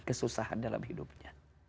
kesusahan dalam hidupnya